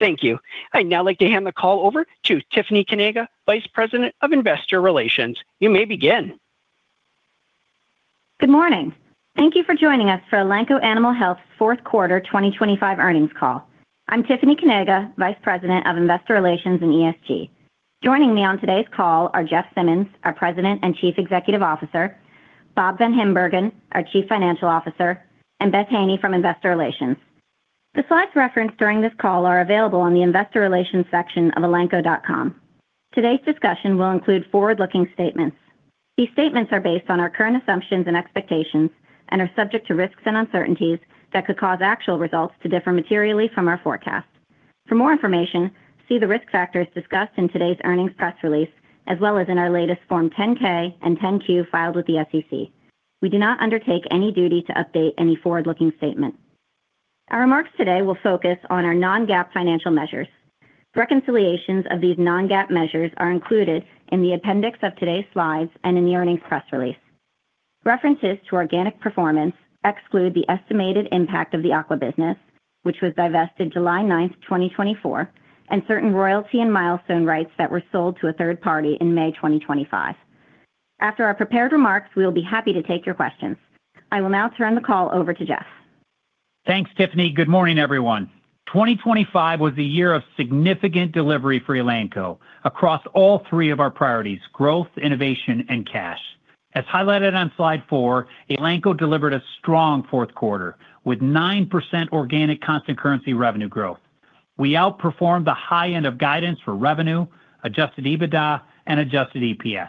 Thank you. I'd now like to hand the call over to Tiffany Kanaga, Vice President of Investor Relations. You may begin. Good morning. Thank you for joining us for Elanco Animal Health's Fourth Quarter 2025 Earnings Call. I'm Tiffany Kanaga, Vice President of Investor Relations and ESG. Joining me on today's call are Jeff Simmons, our President and Chief Executive Officer, Bob Van Hembergen, our Chief Financial Officer, and Beth Haney from Investor Relations. The slides referenced during this call are available on the investor relations section of elanco.com. Today's discussion will include forward-looking statements. These statements are based on our current assumptions and expectations and are subject to risks and uncertainties that could cause actual results to differ materially from our forecast. For more information, see the risk factors discussed in today's earnings press release, as well as in our latest Form 10-K and 10-Q filed with the SEC. We do not undertake any duty to update any forward-looking statement. Our remarks today will focus on our non-GAAP financial measures. Reconciliations of these non-GAAP measures are included in the appendix of today's slides and in the earnings press release. References to organic performance exclude the estimated impact of the Aqua business, which was divested July ninth, 2024, and certain royalty and milestone rights that were sold to a third party in May 2025. After our prepared remarks, we will be happy to take your questions. I will now turn the call over to Jeff. Thanks, Tiffany. Good morning, everyone. 2025 was a year of significant delivery for Elanco across all three of our priorities: growth, innovation, and cash. As highlighted on Slide 4, Elanco delivered a strong fourth quarter with 9% organic constant currency revenue growth. We outperformed the high end of guidance for revenue, Adjusted EBITDA and Adjusted EPS.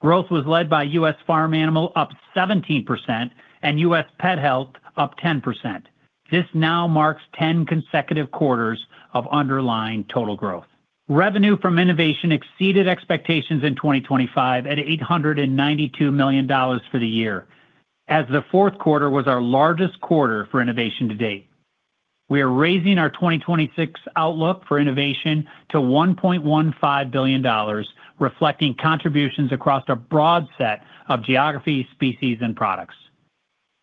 Growth was led by U.S. Farm Animal, up 17%, and U.S. Pet Health, up 10%. This now marks 10 consecutive quarters of underlying total growth. Revenue from innovation exceeded expectations in 2025 at $892 million for the year, as the fourth quarter was our largest quarter for innovation to date. We are raising our 2026 outlook for innovation to $1.15 billion, reflecting contributions across a broad set of geographies, species and products.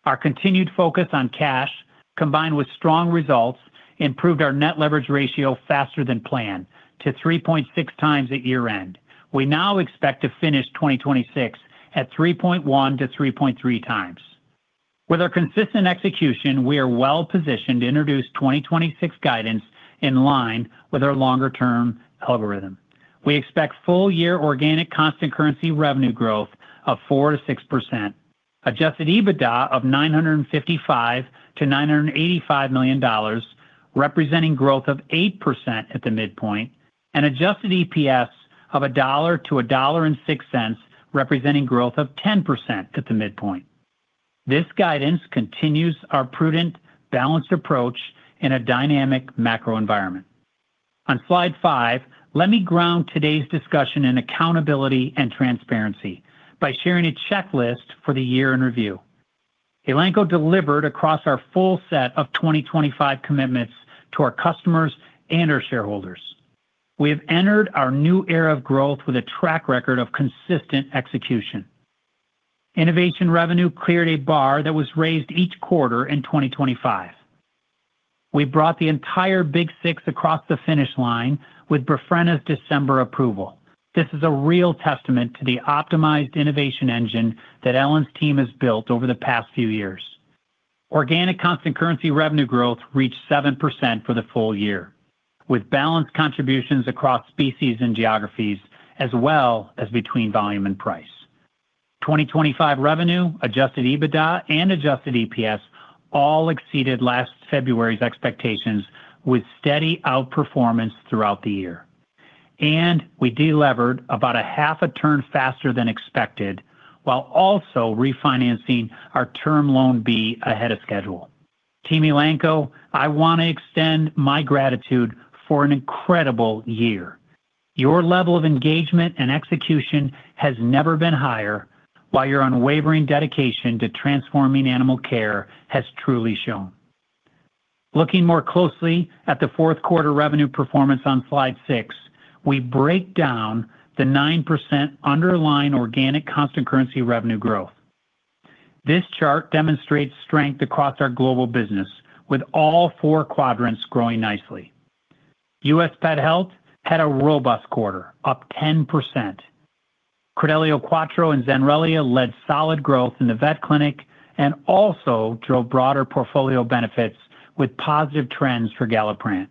Our continued focus on cash, combined with strong results, improved our net leverage ratio faster than planned to 3.6x at year-end. We now expect to finish 2026 at 3.1x-3.3x. With our consistent execution, we are well-positioned to introduce 2026 guidance in line with our longer-term algorithm. We expect full-year organic constant currency revenue growth of 4%-6%, Adjusted EBITDA of $955 million-$985 million, representing growth of 8% at the midpoint, and Adjusted EPS of $1.00-$1.06, representing growth of 10% at the midpoint. This guidance continues our prudent, balanced approach in a dynamic macro environment. On Slide five, let me ground today's discussion in accountability and transparency by sharing a checklist for the year in review. Elanco delivered across our full set of 2025 commitments to our customers and our shareholders. We have entered our new era of growth with a track record of consistent execution. Innovation revenue cleared a bar that was raised each quarter in 2025. We brought the entire Big Six across the finish line with Befrena's December approval. This is a real testament to the optimized innovation engine that Ellen's team has built over the past few years. Organic constant currency revenue growth reached 7% for the full year, with balanced contributions across species and geographies, as well as between volume and price. 2025 revenue, Adjusted EBITDA and Adjusted EPS all exceeded last February's expectations, with steady outperformance throughout the year. We delevered about a half a turn faster than expected, while also refinancing our Term Loan B ahead of schedule. Team Elanco, I want to extend my gratitude for an incredible year. Your level of engagement and execution has never been higher, while your unwavering dedication to transforming animal care has truly shown. Looking more closely at the fourth quarter revenue performance on Slide 6, we break down the 9% underlying organic constant currency revenue growth. This chart demonstrates strength across our global business, with all four quadrants growing nicely. U.S. Pet Health had a robust quarter, up 10%. Credelio Quattro and Zenrelia led solid growth in the vet clinic and also drove broader portfolio benefits with positive trends for Galliprant.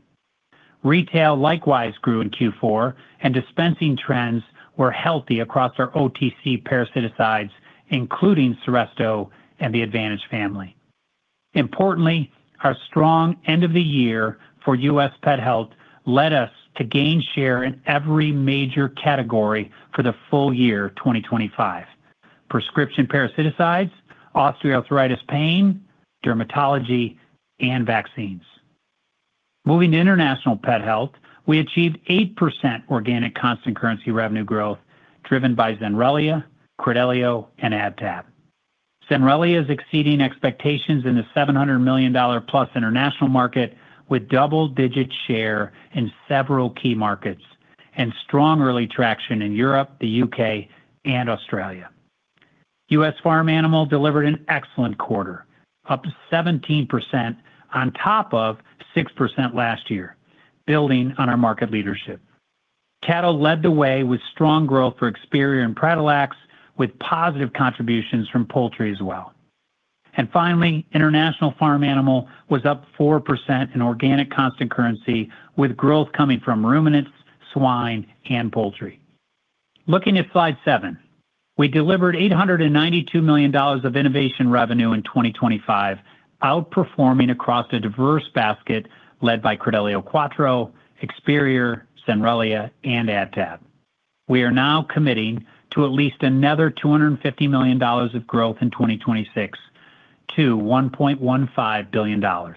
Retail likewise grew in Q4, and dispensing trends were healthy across our OTC parasiticides, including Seresto and the Advantage family. Importantly, our strong end of the year for U.S. Pet Health led us to gain share in every major category for the full year 2025: prescription parasiticides, osteoarthritis pain, dermatology, and vaccines. Moving to international pet health, we achieved 8% organic constant currency revenue growth driven by Zenrelia, Credelio and AdTab. Zenrelia is exceeding expectations in the $700 million+ international market, with double-digit share in several key markets and strong early traction in Europe, the U.K. and Australia. U.S. Farm Animal delivered an excellent quarter up 17% on top of 6% last year, building on our market leadership. Cattle led the way with strong growth for Experior and Pradalex, with positive contributions from poultry as well. Finally, International Farm Animal was up 4% in organic constant currency, with growth coming from ruminants, swine and poultry. Looking at Slide 7, we delivered $892 million of innovation revenue in 2025, outperforming across a diverse basket led by Credelio Quattro, Experior, Zenrelia, and AdTab. We are now committing to at least another $250 million of growth in 2026 to $1.15 billion.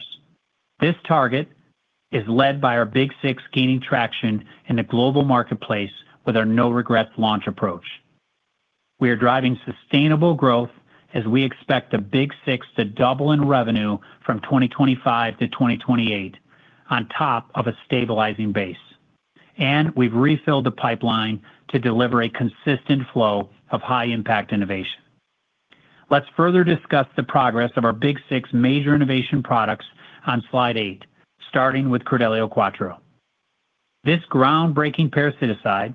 This target is led by our Big Six gaining traction in the global marketplace with our no-regrets launch approach. We are driving sustainable growth as we expect the Big Six to double in revenue from 2025 to 2028 on top of a stabilizing base. We've refilled the pipeline to deliver a consistent flow of high-impact innovation. Let's further discuss the progress of our Big Six major innovation products on Slide 8, starting with Credelio Quattro. This groundbreaking parasiticide,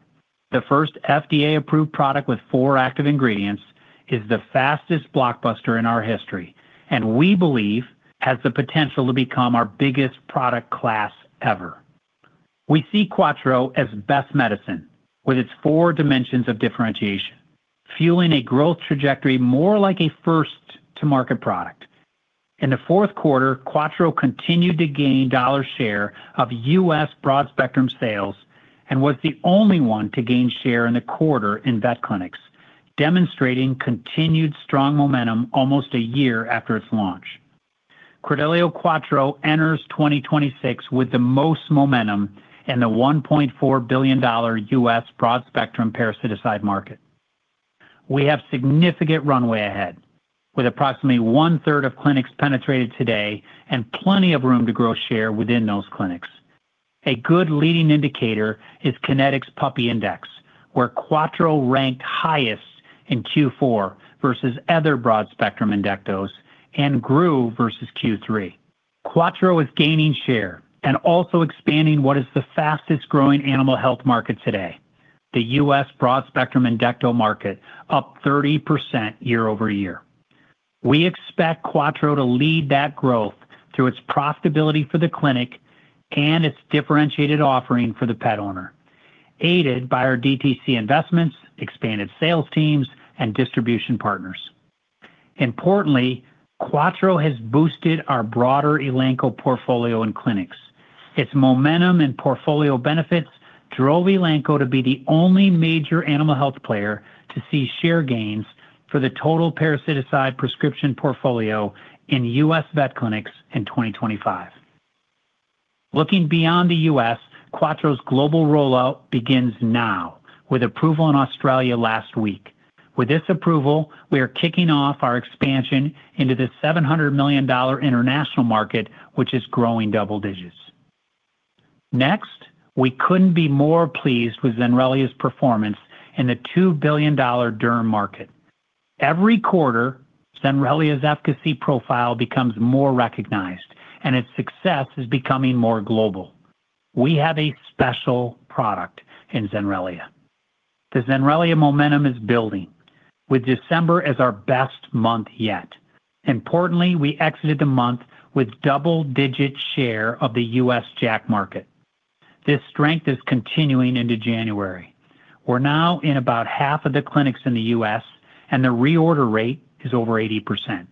the first FDA-approved product with four active ingredients, is the fastest blockbuster in our history, and we believe has the potential to become our biggest product class ever. We see Quattro as the best medicine with its four dimensions of differentiation, fueling a growth trajectory more like a first-to-market product. In the fourth quarter, Quattro continued to gain dollar share of U.S. broad-spectrum sales and was the only one to gain share in the quarter in vet clinics, demonstrating continued strong momentum almost a year after its launch. Credelio Quattro enters 2026 with the most momentum in the $1.4 billion U.S. broad-spectrum parasiticide market. We have significant runway ahead, with approximately one-third of clinics penetrated today and plenty of room to grow share within those clinics. A good leading indicator is Kinetic Puppy Index, where Quattro ranked highest in Q4 versus other broad-spectrum endectos and grew versus Q3. Quattro is gaining share and also expanding what is the fastest-growing animal health market today, the U.S. broad-spectrum endecto market, up 30% year-over-year. We expect Quattro to lead that growth through its profitability for the clinic and its differentiated offering for the pet owner, aided by our DTC investments, expanded sales teams, and distribution partners. Importantly, Quattro has boosted our broader Elanco portfolio in clinics. Its momentum and portfolio benefits drove Elanco to be the only major animal health player to see share gains for the total parasiticide prescription portfolio in U.S. vet clinics in 2025. Looking beyond the U.S., Quattro's global rollout begins now with approval in Australia last week. With this approval, we are kicking off our expansion into the $700 million international market, which is growing double digits. Next, we couldn't be more pleased with Zenrelia's performance in the $2 billion DERM market. Every quarter, Zenrelia's efficacy profile becomes more recognized, and its success is becoming more global. We have a special product in Zenrelia. The Zenrelia momentum is building, with December as our best month yet. Importantly, we exited the month with double-digit share of the U.S. JAK market. This strength is continuing into January. We're now in about half of the clinics in the U.S., and the reorder rate is over 80%.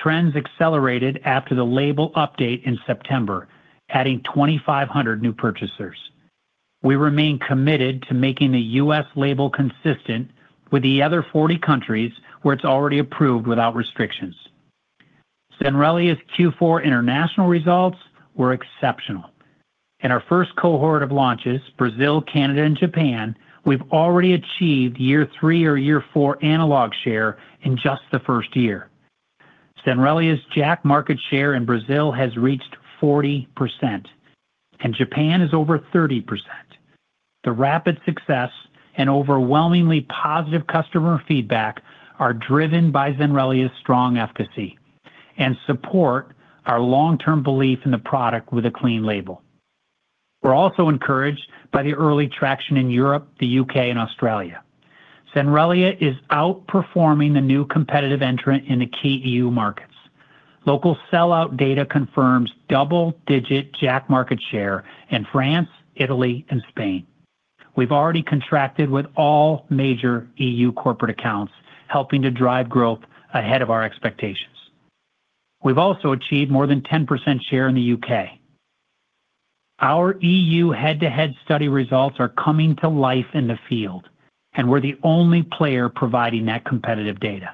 Trends accelerated after the label update in September, adding 2,500 new purchasers. We remain committed to making the U.S. label consistent with the other 40 countries where it's already approved without restrictions. Zenrelia's Q4 international results were exceptional. In our first cohort of launches, Brazil, Canada, and Japan, we've already achieved year three or year four analog share in just the first year. Zenrelia's JAK market share in Brazil has reached 40%, and Japan is over 30%. The rapid success and overwhelmingly positive customer feedback are driven by Zenrelia's strong efficacy and support our long-term belief in the product with a clean label. We're also encouraged by the early traction in Europe, the U.K., and Australia. Zenrelia is outperforming the new competitive entrant in the key EU markets. Local sell-out data confirms double-digit JAK market share in France, Italy, and Spain. We've already contracted with all major EU corporate accounts, helping to drive growth ahead of our expectations. We've also achieved more than 10% share in the U.K.. Our EU head-to-head study results are coming to life in the field. We're the only player providing that competitive data.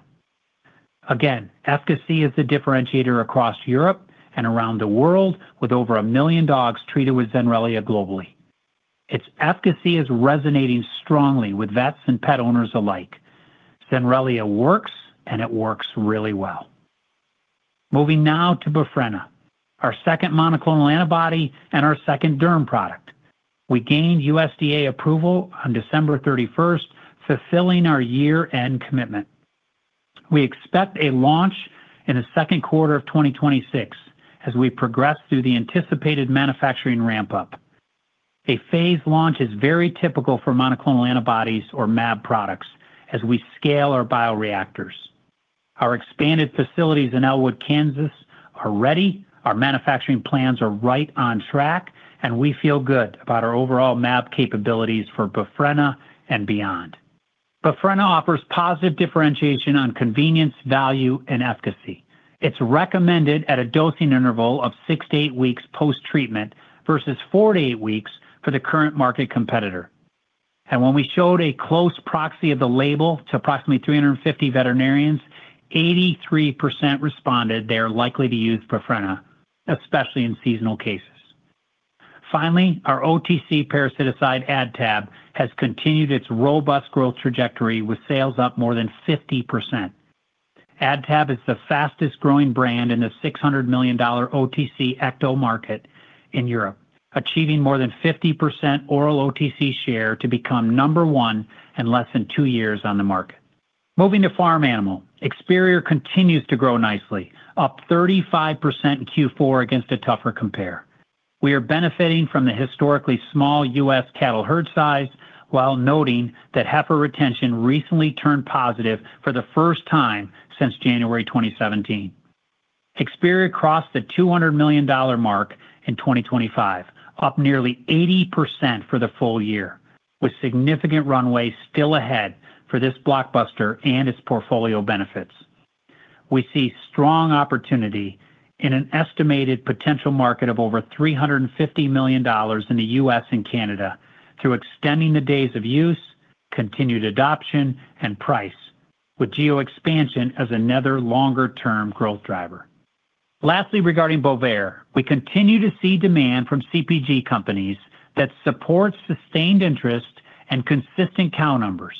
Again, efficacy is the differentiator across Europe and around the world, with over 1 million dogs treated with Zenrelia globally. Its efficacy is resonating strongly with vets and pet owners alike. Zenrelia works, and it works really well. Moving now to Befrena, our second monoclonal antibody and our second DERM product. We gained USDA approval on December 31st, fulfilling our year-end commitment. We expect a launch in the second quarter of 2026 as we progress through the anticipated manufacturing ramp-up. A phased launch is very typical for monoclonal antibodies or mAb products as we scale our bioreactors. Our expanded facilities in Elwood, Kansas, are ready, our manufacturing plans are right on track, and we feel good about our overall mAb capabilities for Befrena and beyond. Befrena offers positive differentiation on convenience, value, and efficacy. It's recommended at a dosing interval of six-eight weeks post-treatment versus four-eight weeks for the current market competitor. When we showed a close proxy of the label to approximately 350 veterinarians, 83% responded they are likely to use Befrena, especially in seasonal cases. Finally, our OTC parasiticide AdTab has continued its robust growth trajectory, with sales up more than 50%. AdTab is the fastest-growing brand in the $600 million OTC ecto market in Europe, achieving more than 50% oral OTC share to become number one in less than two years on the market. Moving to farm animal. Experior continues to grow nicely, up 35% in Q4 against a tougher compare. We are benefiting from the historically small U.S. cattle herd size, while noting that heifer retention recently turned positive for the first time since January 2017. Experior crossed the $200 million mark in 2025, up nearly 80% for the full year, with significant runway still ahead for this blockbuster and its portfolio benefits. We see strong opportunity in an estimated potential market of over $350 million in the U.S. and Canada through extending the days of use, continued adoption, and price, with geo expansion as another longer-term growth driver. Regarding Bovaer, we continue to see demand from CPG companies that supports sustained interest and consistent count numbers,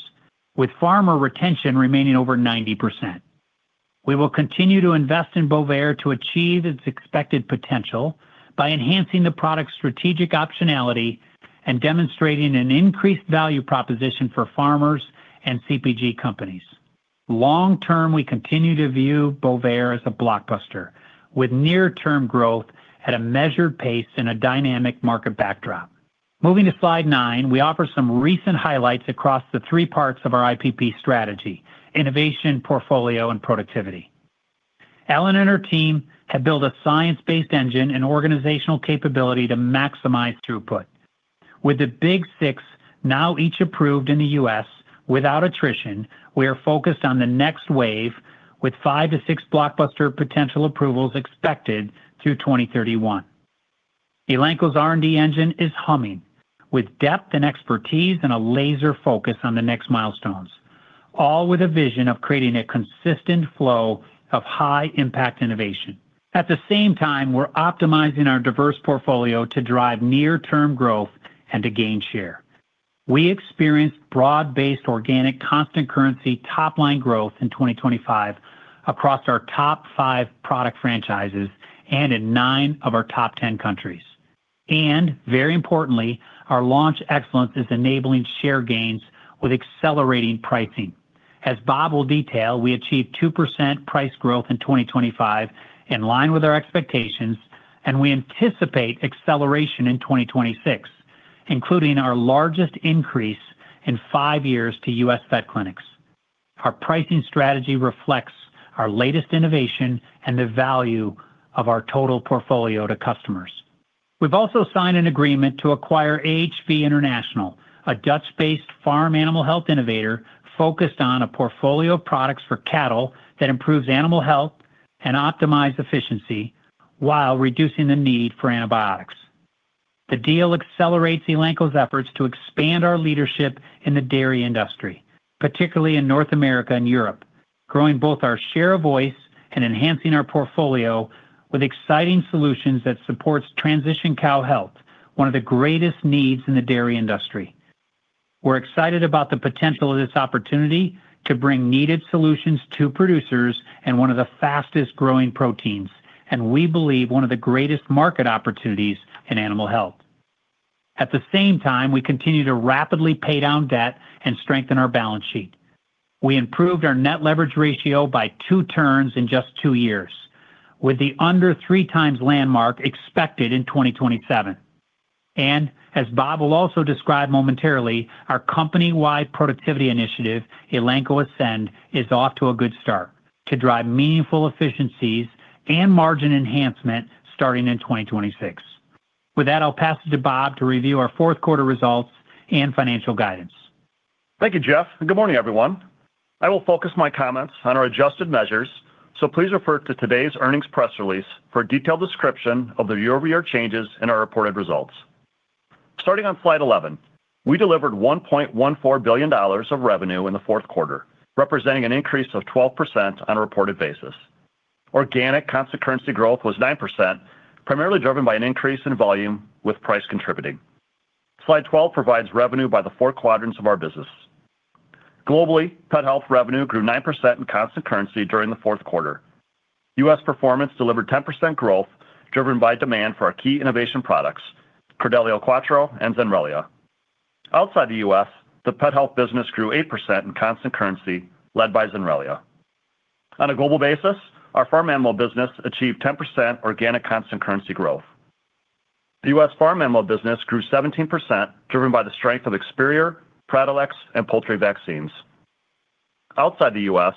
with farmer retention remaining over 90%. We will continue to invest in Bovaer to achieve its expected potential by enhancing the product's strategic optionality and demonstrating an increased value proposition for farmers and CPG companies. Long-term, we continue to view Bovaer as a blockbuster, with near-term growth at a measured pace in a dynamic market backdrop. Moving to slide 9, we offer some recent highlights across the three parts of our IPP strategy: innovation, portfolio, and productivity. Ellen and her team have built a science-based engine and organizational capability to maximize throughput. With the Big Six now each approved in the U.S. without attrition, we are focused on the next wave, with five to six blockbuster potential approvals expected through 2031. Elanco's R&D engine is humming with depth and expertise and a laser focus on the next milestones, all with a vision of creating a consistent flow of high-impact innovation. At the same time, we're optimizing our diverse portfolio to drive near-term growth and to gain share. We experienced broad-based organic constant currency top-line growth in 2025 across our top five product franchises and in nine of our top 10 countries. Very importantly, our launch excellence is enabling share gains with accelerating pricing. As Bob will detail, we achieved 2% price growth in 2025, in line with our expectations, and we anticipate acceleration in 2026, including our largest increase in five years to U.S. vet clinics. Our pricing strategy reflects our latest innovation and the value of our total portfolio to customers. We've also signed an agreement to acquire AHV International, a Dutch-based farm animal health innovator focused on a portfolio of products for cattle that improves animal health and optimize efficiency while reducing the need for antibiotics. The deal accelerates Elanco's efforts to expand our leadership in the dairy industry, particularly in North America and Europe, growing both our share of voice and enhancing our portfolio with exciting solutions that supports transition cow health, one of the greatest needs in the dairy industry. We're excited about the potential of this opportunity to bring needed solutions to producers and one of the fastest-growing proteins, and we believe one of the greatest market opportunities in animal health. At the same time, we continue to rapidly pay down debt and strengthen our balance sheet. We improved our net leverage ratio by two turns in just two years, with the under 3x landmark expected in 2027. As Bob will also describe momentarily, our company-wide productivity initiative, Elanco Ascend, is off to a good start to drive meaningful efficiencies and margin enhancement starting in 2026. With that, I'll pass it to Bob to review our fourth quarter results and financial guidance. Thank you, Jeff. Good morning, everyone. I will focus my comments on our adjusted measures, so please refer to today's earnings press release for a detailed description of the year-over-year changes in our reported results. Starting on slide 11, we delivered $1.14 billion of revenue in the fourth quarter, representing an increase of 12% on a reported basis. Organic constant currency growth was 9%, primarily driven by an increase in volume, with price contributing. Slide 12 provides revenue by the four quadrants of our business. Globally, pet health revenue grew 9% in constant currency during the fourth quarter. U.S. performance delivered 10% growth, driven by demand for our key innovation products, Credelio Quattro and Zenrelia. Outside the U.S., the pet health business grew 8% in constant currency, led by Zenrelia. On a global basis, our farm animal business achieved 10% organic constant currency growth. The U.S. farm animal business grew 17%, driven by the strength of Experior, Pradalex, and poultry vaccines. Outside the U.S.,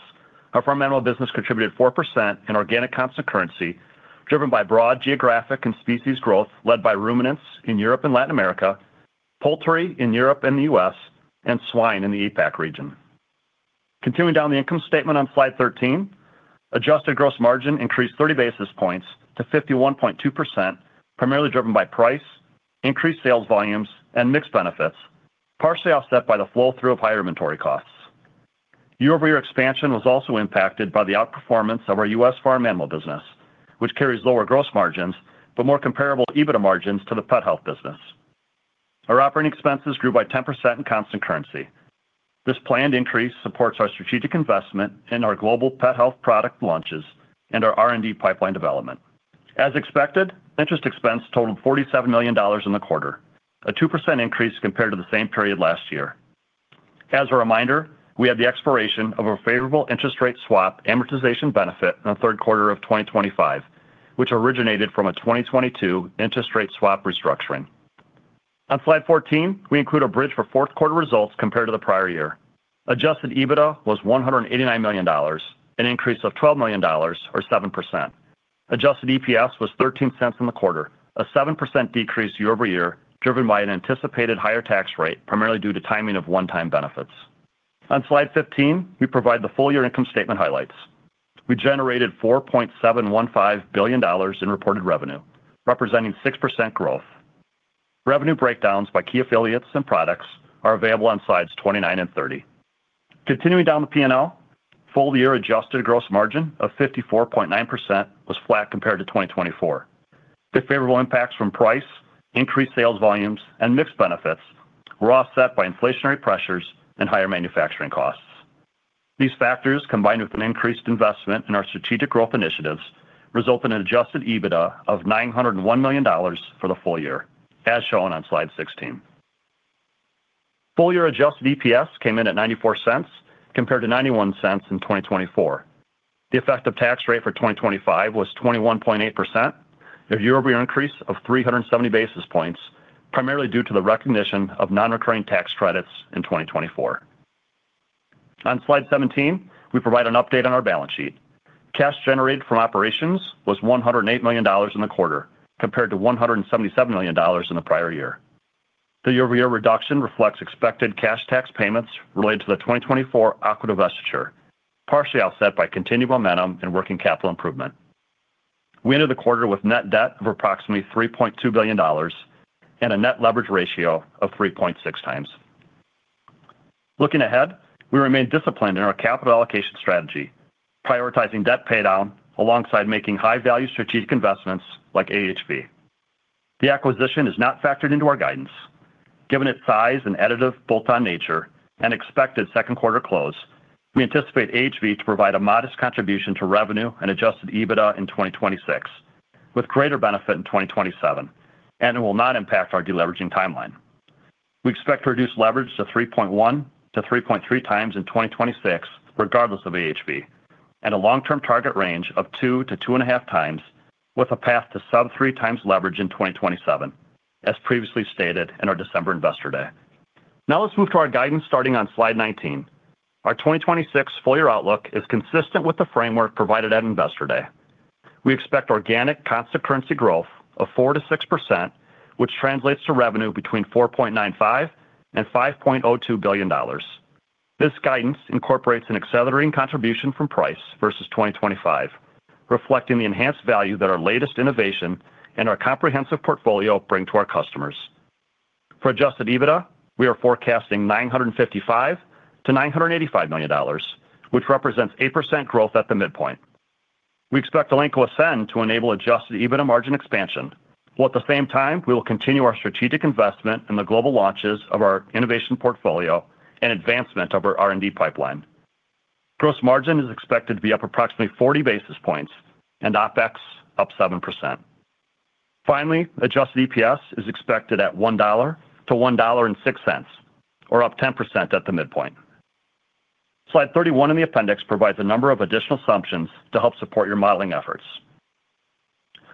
our farm animal business contributed 4% in organic constant currency, driven by broad geographic and species growth, led by ruminants in Europe and Latin America, poultry in Europe and the U.S., and swine in the APAC region. Continuing down the income statement on slide 13, adjusted gross margin increased 30 basis points to 51.2%, primarily driven by price, increased sales volumes, and mixed benefits, partially offset by the flow-through of higher inventory costs. Year-over-year expansion was also impacted by the outperformance of our U.S. farm animal business, which carries lower gross margins but more comparable EBITDA margins to the pet health business. Our operating expenses grew by 10% in constant currency. This planned increase supports our strategic investment in our global pet health product launches and our R&D pipeline development. As expected, interest expense totaled $47 million in the quarter, a 2% increase compared to the same period last year. As a reminder, we have the expiration of a favorable interest rate swap amortization benefit in the third quarter of 2025, which originated from a 2022 interest rate swap restructuring. On slide 14, we include a bridge for fourth quarter results compared to the prior year. Adjusted EBITDA was $189 million, an increase of $12 million or 7%. Adjusted EPS was $0.13 in the quarter, a 7% decrease year-over-year, driven by an anticipated higher tax rate, primarily due to timing of one-time benefits. On slide 15, we provide the full-year income statement highlights. We generated $4.715 billion in reported revenue, representing 6% growth. Revenue breakdowns by key affiliates and products are available on slides 29 and 30. Continuing down the P&L, full-year adjusted gross margin of 54.9% was flat compared to 2024. The favorable impacts from price, increased sales volumes, and mixed benefits were offset by inflationary pressures and higher manufacturing costs. These factors, combined with an increased investment in our strategic growth initiatives, result in an Adjusted EBITDA of $901 million for the full year, as shown on slide 16. Full-year Adjusted EPS came in at $0.94, compared to $0.91 in 2024. The effective tax rate for 2025 was 21.8%, a year-over-year increase of 370 basis points, primarily due to the recognition of non-recurring tax credits in 2024. On slide 17, we provide an update on our balance sheet. Cash generated from operations was $108 million in the quarter, compared to $177 million in the prior year. The year-over-year reduction reflects expected cash tax payments related to the 2024 equity vestiture, partially offset by continued momentum and working capital improvement. We ended the quarter with net debt of approximately $3.2 billion and a net leverage ratio of 3.6x. Looking ahead, we remain disciplined in our capital allocation strategy, prioritizing debt paydown alongside making high-value strategic investments like AHV. The acquisition is not factored into our guidance. Given its size and additive bolt-on nature and expected second quarter close, we anticipate AHV to provide a modest contribution to revenue and Adjusted EBITDA in 2026, with greater benefit in 2027, and it will not impact our deleveraging timeline. We expect to reduce leverage to 3.1x-3.3x in 2026, regardless of AHV, and a long-term target range of 2x-2.5x, with a path to sub 3x leverage in 2027, as previously stated in our December Investor Day. Let's move to our guidance, starting on slide 19. Our 2026 full-year outlook is consistent with the framework provided at Investor Day. We expect organic constant currency growth of 4%-6%, which translates to revenue between $4.95 billion and $5.02 billion. This guidance incorporates an accelerating contribution from price versus 2025, reflecting the enhanced value that our latest innovation and our comprehensive portfolio bring to our customers. For Adjusted EBITDA, we are forecasting $955 million-$985 million, which represents 8% growth at the midpoint. We expect Elanco Ascend to enable Adjusted EBITDA margin expansion, while at the same time, we will continue our strategic investment in the global launches of our innovation portfolio and advancement of our R&D pipeline. Gross margin is expected to be up approximately 40 basis points and OpEx up 7%. Finally, Adjusted EPS is expected at $1.00-$1.06, or up 10% at the midpoint. Slide 31 in the appendix provides a number of additional assumptions to help support your modeling efforts.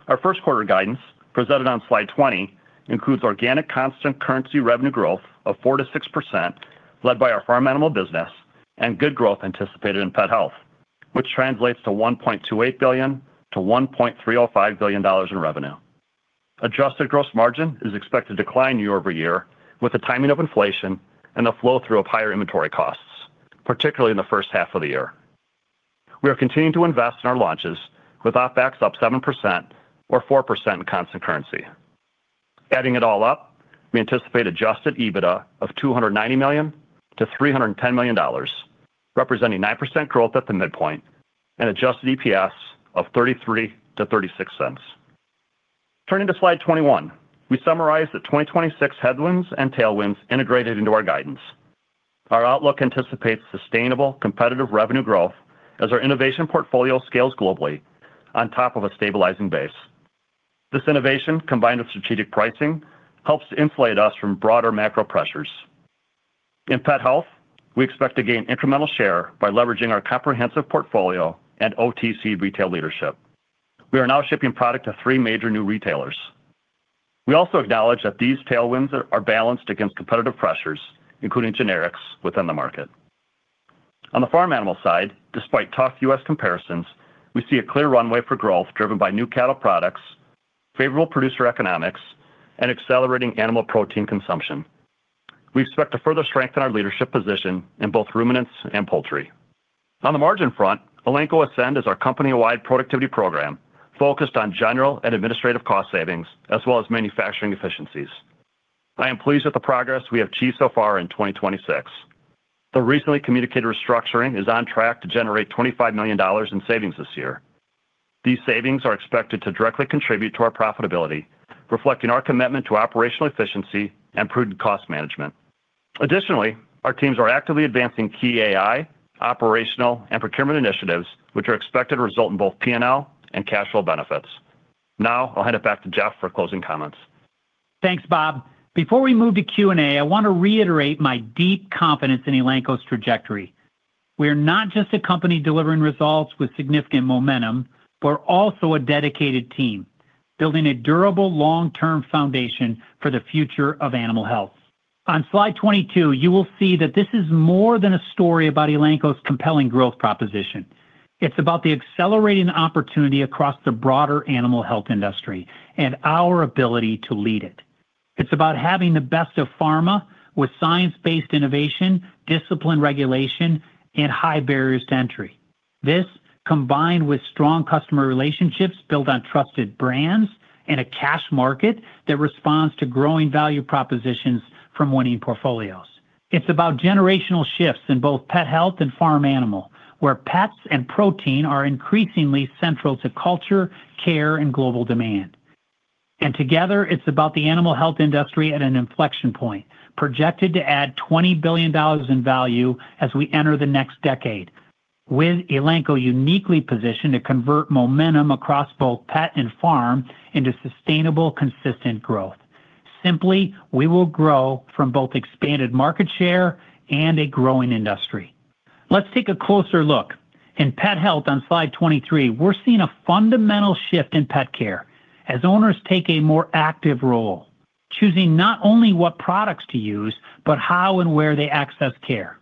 Our first quarter guidance, presented on slide 20, includes organic constant currency revenue growth of 4%-6%, led by our farm animal business and good growth anticipated in pet health, which translates to $1.28 billion-$1.305 billion in revenue. Adjusted gross margin is expected to decline year-over-year, with the timing of inflation and the flow-through of higher inventory costs, particularly in the first half of the year. We are continuing to invest in our launches, with OpEx up 7% or 4% in constant currency. Adding it all up, we anticipate Adjusted EBITDA of $290 million-$310 million, representing 9% growth at the midpoint and Adjusted EPS of $0.33-$0.36. Turning to slide 21, we summarize the 2026 headwinds and tailwinds integrated into our guidance. Our outlook anticipates sustainable, competitive revenue growth as our innovation portfolio scales globally on top of a stabilizing base. This innovation, combined with strategic pricing helps to insulate us from broader macro pressures. In pet health, we expect to gain incremental share by leveraging our comprehensive portfolio and OTC retail leadership. We are now shipping product to three major new retailers. We also acknowledge that these tailwinds are balanced against competitive pressures, including generics within the market. On the farm animal side, despite tough U.S. comparisons, we see a clear runway for growth driven by new cattle products, favorable producer economics, and accelerating animal protein consumption. We expect to further strengthen our leadership position in both ruminants and poultry. On the margin front, Elanco Ascend is our company-wide productivity program focused on general and administrative cost savings, as well as manufacturing efficiencies. I am pleased with the progress we have achieved so far in 2026. The recently communicated restructuring is on track to generate $25 million in savings this year. These savings are expected to directly contribute to our profitability, reflecting our commitment to operational efficiency and prudent cost management. Additionally, our teams are actively advancing key AI, operational, and procurement initiatives, which are expected to result in both P&L and cash flow benefits. I'll hand it back to Jeff for closing comments. Thanks, Bob. Before we move to Q&A, I want to reiterate my deep confidence in Elanco's trajectory. We're not just a company delivering results with significant momentum, we're also a dedicated team building a durable, long-term foundation for the future of animal health. On Slide 22, you will see that this is more than a story about Elanco's compelling growth proposition. It's about the accelerating opportunity across the broader animal health industry and our ability to lead it. It's about having the best of pharma with science-based innovation, disciplined regulation, and high barriers to entry. This, combined with strong customer relationships built on trusted brands and a cash market that responds to growing value propositions from winning portfolios. It's about generational shifts in both pet health and farm animal, where pets and protein are increasingly central to culture, care, and global demand. Together, it's about the animal health industry at an inflection point, projected to add $20 billion in value as we enter the next decade, with Elanco uniquely positioned to convert momentum across both pet and farm into sustainable, consistent growth. Simply, we will grow from both expanded market share and a growing industry. Let's take a closer look. In pet health, on Slide 23, we're seeing a fundamental shift in pet care as owners take a more active role, choosing not only what products to use, but how and where they access care.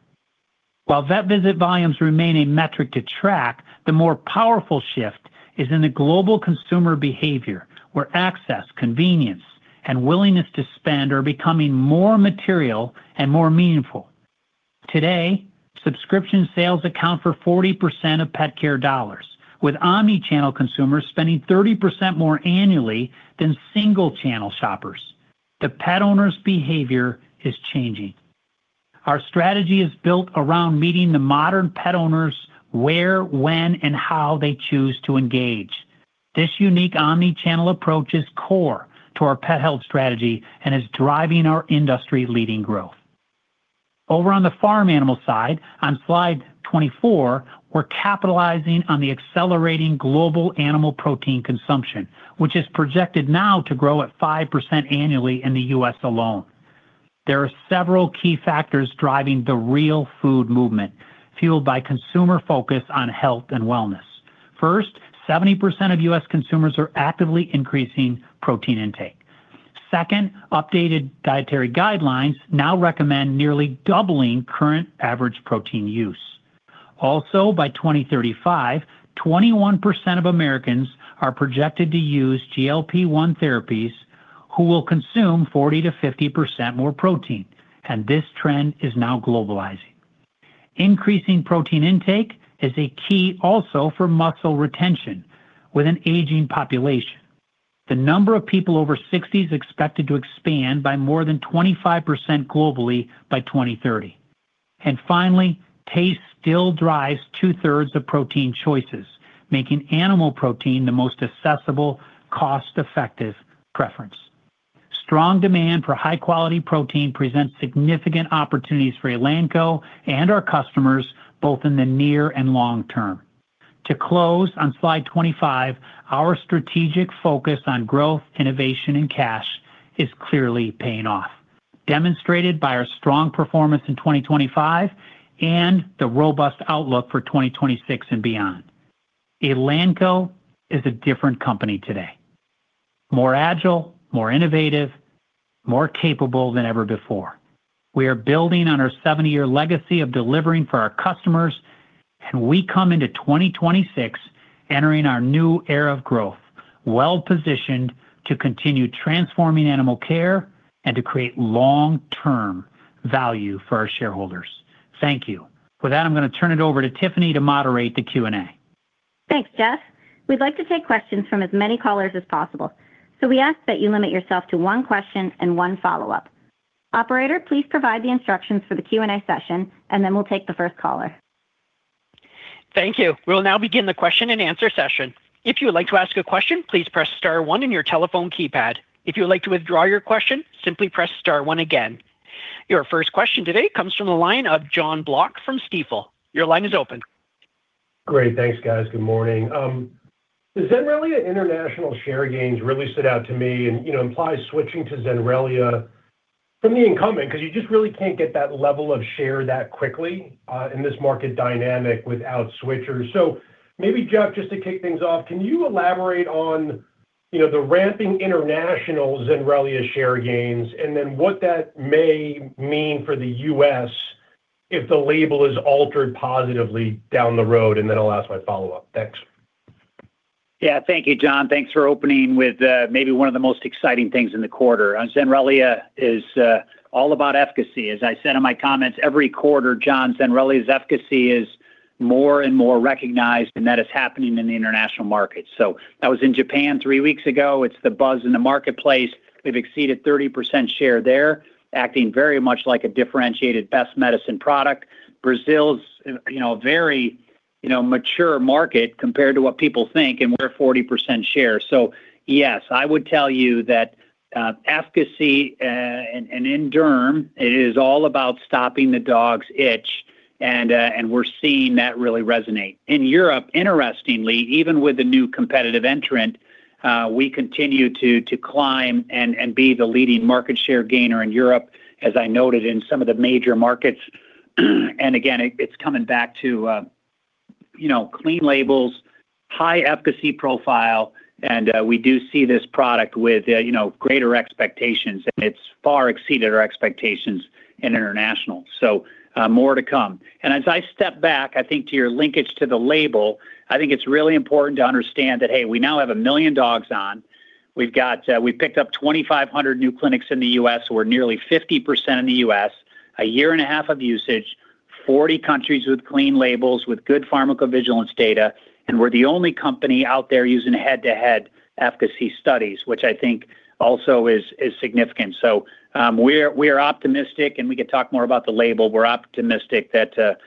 While vet visit volumes remain a metric to track, the more powerful shift is in the global consumer behavior, where access, convenience, and willingness to spend are becoming more material and more meaningful. Today, subscription sales account for 40% of pet care dollars, with omnichannel consumers spending 30% more annually than single-channel shoppers. The pet owners' behavior is changing. Our strategy is built around meeting the modern pet owners where, when, and how they choose to engage. This unique omnichannel approach is core to our pet health strategy and is driving our industry-leading growth. Over on the farm animal side, on Slide 24, we're capitalizing on the accelerating global animal protein consumption, which is projected now to grow at 5% annually in the U.S. alone. There are several key factors driving the real food movement, fueled by consumer focus on health and wellness. First, 70% of U.S. consumers are actively increasing protein intake. Second, updated dietary guidelines now recommend nearly doubling current average protein use. Also, by 2035, 21% of Americans are projected to use GLP-1 therapies, who will consume 40%-50% more protein, and this trend is now globalizing. Increasing protein intake is a key also for muscle retention with an aging population. The number of people over 60 is expected to expand by more than 25% globally by 2030. Finally, taste still drives 2/3 of protein choices, making animal protein the most accessible, cost-effective preference. Strong demand for high-quality protein presents significant opportunities for Elanco and our customers, both in the near and long term. To close, on Slide 25, our strategic focus on growth, innovation, and cash is clearly paying off, demonstrated by our strong performance in 2025 and the robust outlook for 2026 and beyond. Elanco is a different company today: more agile, more innovative, more capable than ever before. We are building on our 70-year legacy of delivering for our customers. We come into 2026 entering our new era of growth, well-positioned to continue transforming animal care and to create long-term value for our shareholders. Thank you. With that, I'm going to turn it over to Tiffany to moderate the Q&A. Thanks, Jeff. We'd like to take questions from as many callers as possible, so we ask that you limit yourself to one question and one follow-up. Operator, please provide the instructions for the Q&A session, and then we'll take the first caller. Thank you. We'll now begin the question and answer session. If you would like to ask a question, please press star one in your telephone keypad. If you would like to withdraw your question, simply press star one again. Your first question today comes from the line of Jonathan Block from Stifel. Your line is open. Great. Thanks, guys. Good morning. The Zenrelia International share gains really stood out to me and, you know, implies switching to Zenrelia from the incumbent because you just really can't get that level of share that quickly in this market dynamic without switchers. Maybe, Jeff, just to kick things off, can you elaborate on, you know, the ramping international Zenrelia share gains and then what that may mean for the U.S. if the label is altered positively down the road, and then I'll ask my follow-up. Thanks. Yeah. Thank you, John. Thanks for opening with, maybe one of the most exciting things in the quarter. On Zenrelia is all about efficacy. As I said in my comments, every quarter, John, Zenrelia's efficacy is more and more recognized, and that is happening in the international market. That was in Japan three weeks ago. It's the buzz in the marketplace. They've exceeded 30% share there, acting very much like a differentiated best medicine product. Brazil's, you know, a very, you know, mature market compared to what people think, and we're 40% share. Yes, I would tell you that efficacy, and in DERM, it is all about stopping the dog's itch, and we're seeing that really resonate. In Europe, interestingly, even with the new competitive entrant, we continue to climb and be the leading market share gainer in Europe, as I noted in some of the major markets. Again, it's coming back to, you know, clean labels, high efficacy profile, and we do see this product with, you know, greater expectations, and it's far exceeded our expectations in international. More to come. As I step back, I think to your linkage to the label, I think it's really important to understand that, hey, we now have a million dogs on. We've picked up 2,500 new clinics in the U.S. We're nearly 50% in the U.S., a year and a half of usage, 40 countries with clean labels, with good pharmacovigilance data, and we're the only company out there using head-to-head efficacy studies, which I think also is significant. We are optimistic, and we can talk more about the label. We're optimistic that,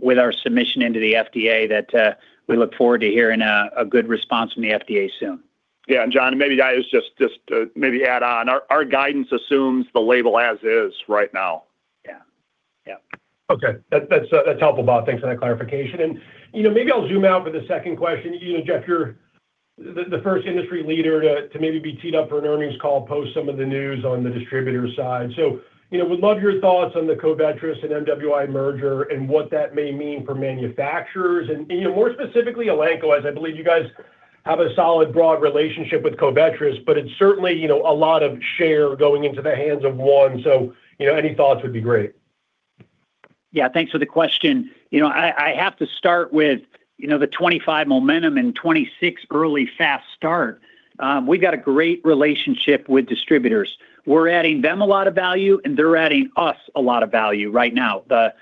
with our submission into the FDA, that we look forward to hearing a good response from the FDA soon. John, and maybe I just maybe add on, our guidance assumes the label as is right now. Yeah. Yep. Okay. That's, that's helpful, Bob. Thanks for that clarification. You know, maybe I'll zoom out with the second question. You know, Jeff, you're the first industry leader to maybe be teed up for an earnings call, post some of the news on the distributor side. You know, would love your thoughts on the Covetrus and MWI merger and what that may mean for manufacturers and, you know, more specifically, Elanco, as I believe you guys have a solid, broad relationship with Covetrus, but it's certainly, you know, a lot of share going into the hands of one. You know, any thoughts would be great. Yeah. Thanks for the question. I have to start with the 25 momentum and 26 early fast start. We've got a great relationship with distributors. We're adding them a lot of value, and they're adding us a lot of value right now, the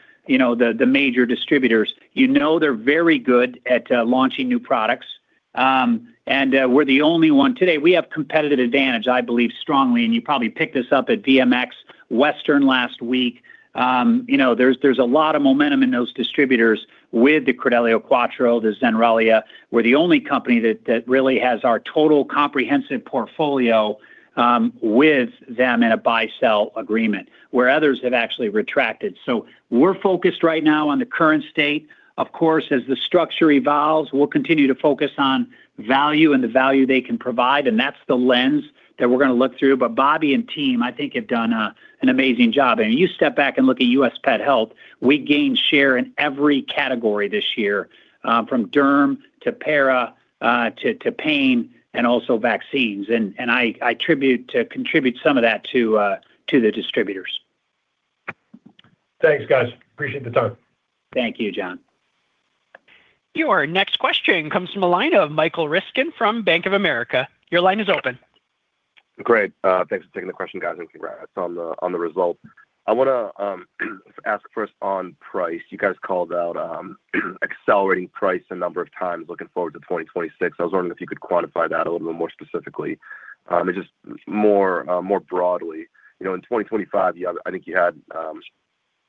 major distributors. You know they're very good at launching new products. We're the only one. Today, we have competitive advantage, I believe strongly, and you probably picked this up at VMX Western last week. There's a lot of momentum in those distributors with the Credelio Quattro, the Zenrelia. We're the only company that really has our total comprehensive portfolio with them in a buy, sell agreement, where others have actually retracted. We're focused right now on the current state. Of course, as the structure evolves, we'll continue to focus on value and the value they can provide, and that's the lens that we're gonna look through. Bobby and team, I think, have done an amazing job. You step back and look at U.S. pet health, we gained share in every category this year, from DERM to para, to pain and also vaccines. I contribute some of that to the distributors. Thanks, guys. Appreciate the time. Thank you, John. Your next question comes from the line of Michael Ryskin from Bank of America. Your line is open. Great. Thanks for taking the question, guys, and congrats on the result. I wanna ask first on price. You guys called out accelerating price a number of times looking forward to 2026. I was wondering if you could quantify that a little bit more specifically. Just more, more broadly. You know, in 2025, you had I think you had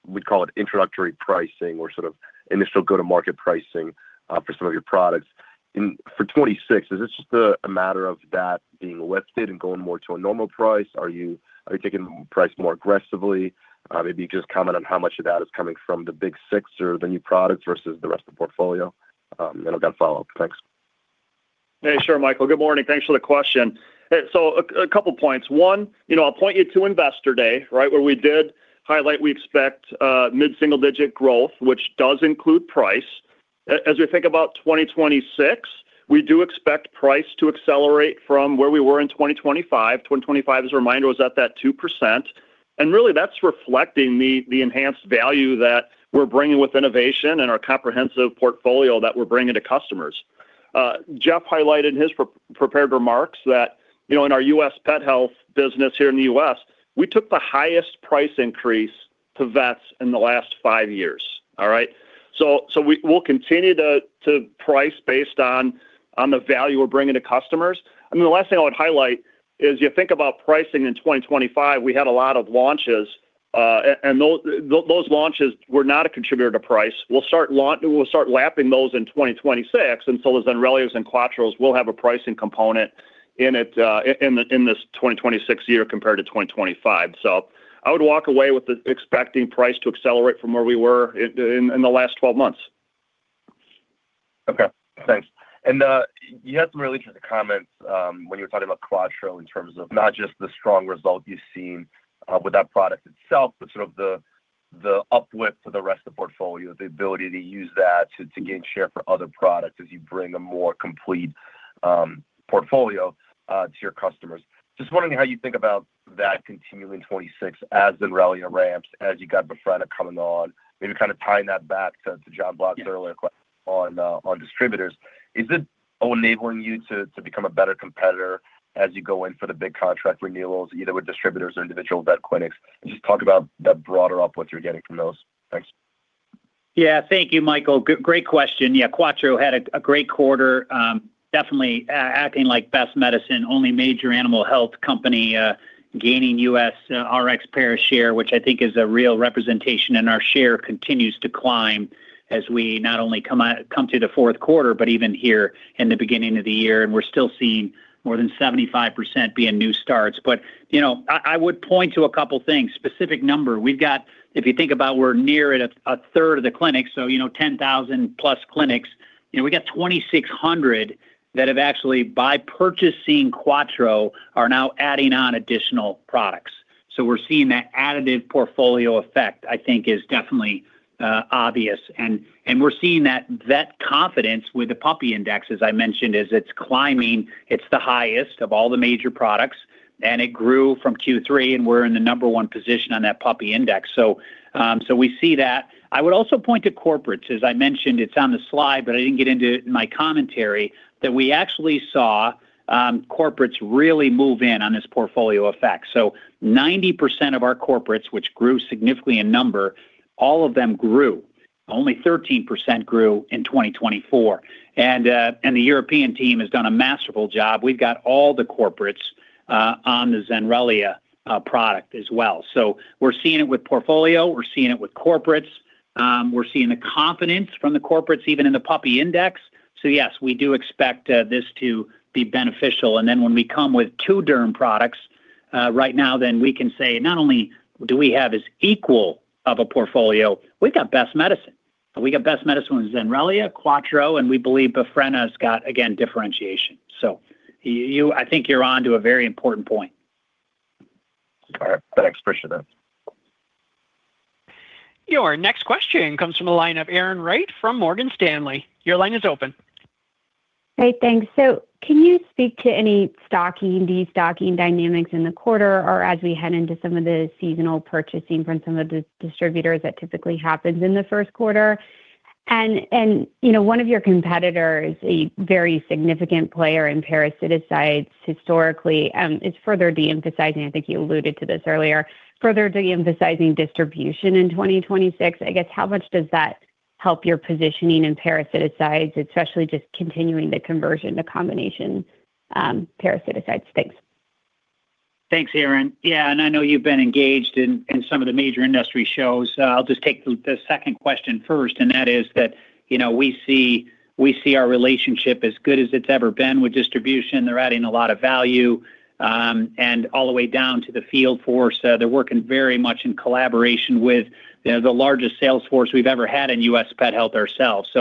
we'd call it introductory pricing or sort of initial go-to-market pricing for some of your products. For 2026, is this just a matter of that being lifted and going more to a normal price? Are you taking price more aggressively? Maybe just comment on how much of that is coming from the Big Six or the new products versus the rest of the portfolio. I've got a follow-up. Thanks. Yeah, sure, Michael. Good morning. Thanks for the question. A couple points. One, you know, I'll point you to Investor Day, right? Where we did highlight, we expect mid-single-digit growth, which does include price. As we think about 2026, we do expect price to accelerate from where we were in 2025. 2025, as a reminder, was at that 2%, and really, that's reflecting the enhanced value that we're bringing with innovation and our comprehensive portfolio that we're bringing to customers. Jeff highlighted in his prepared remarks that, you know, in our U.S. pet health business here in the U.S., we took the highest price increase to vets in the last five years. All right? We'll continue to price based on the value we're bringing to customers. I mean, the last thing I would highlight is you think about pricing in 2025, we had a lot of launches, those launches were not a contributor to price. We'll start lapping those in 2026, the Zenrelia and Quattros will have a pricing component in it, in this 2026 year compared to 2025. I would walk away with the expecting price to accelerate from where we were in the last 12 months. Okay, thanks. You had some really interesting comments when you were talking about Quattro in terms of not just the strong result you've seen with that product itself, but sort of the uplift for the rest of the portfolio, the ability to use that to gain share for other products as you bring a more complete portfolio to your customers. Just wondering how you think about that continuing 2026 as Zenrelia ramps, as you got Befrena coming on, maybe kind of tying that back to John Block's earlier question on distributors. Is it enabling you to become a better competitor as you go in for the big contract renewals, either with distributors or individual vet clinics? Just talk about the broader uplift you're getting from those. Thanks. Yeah. Thank you, Michael. Great question. Yeah, Credelio Quattro had a great quarter, definitely acting like best medicine, only major animal health company gaining U.S. Rx pair share, which I think is a real representation, and our share continues to climb as we not only come through the fourth quarter, but even here in the beginning of the year, and we're still seeing more than 75% being new starts. You know, I would point to a couple things, specific number. If you think about we're near at a third of the clinic, 10,000+ clinics, we got 2,600 that have actually, by purchasing Credelio Quattro, are now adding on additional products. We're seeing that additive portfolio effect, I think is definitely obvious. We're seeing that vet confidence with the Puppy Index, as I mentioned, as it's climbing, it's the highest of all the major products, and it grew from Q3, and we're in the number one position on that Puppy Index. We see that. I would also point to corporates. As I mentioned, it's on the slide, but I didn't get into it in my commentary, that we actually saw corporates really move in on this portfolio effect. 90% of our corporates, which grew significantly in number, all of them grew. Only 13% grew in 2024, and the European team has done a masterful job. We've got all the corporates on the Zenrelia product as well. We're seeing it with portfolio, we're seeing it with corporates, we're seeing the confidence from the corporates, even in the Puppy Index. Yes, we do expect this to be beneficial. When we come with two derm products right now, then we can say, not only do we have as equal of a portfolio, we got best medicine. We got best medicine with Zenrelia, Quattro, and we believe Befrena has got, again, differentiation. I think you're on to a very important point. All right. Thanks, appreciate it. Your next question comes from the line of Erin Wright from Morgan Stanley. Your line is open. Hey, thanks. Can you speak to any stocking, destocking dynamics in the quarter or as we head into some of the seasonal purchasing from some of the distributors that typically happens in the first quarter? you know, one of your competitors, a very significant player in parasiticides historically, is further de-emphasizing, I think you alluded to this earlier, further de-emphasizing distribution in 2026. I guess, how much does that help your positioning in parasiticides, especially just continuing the conversion to combination parasiticides? Thanks. Thanks, Erin. Yeah, I know you've been engaged in some of the major industry shows. I'll just take the second question first, and that is that, you know, we see our relationship as good as it's ever been with distribution. They're adding a lot of value, and all the way down to the field force. They're working very much in collaboration with, you know, the largest sales force we've ever had in U.S. pet health ourselves.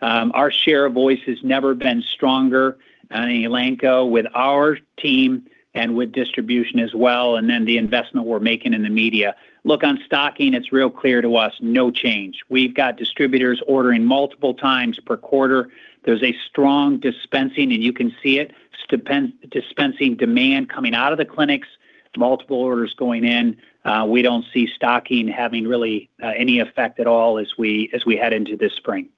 Our share of voice has never been stronger, Elanco, with our team and with distribution as well, and then the investment we're making in the media. Look, on stocking, it's real clear to us, no change. We've got distributors ordering multiple times per quarter. There's a strong dispensing, and you can see it. Dispensing demand coming out of the clinics, multiple orders going in, we don't see stocking having really, any effect at all as we head into this spring.